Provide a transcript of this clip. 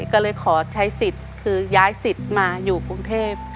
ก็เลยขอใช้สิทธิ์คือย้ายสิทธิ์มาอยู่กรุงเทพ